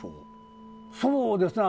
そうですね。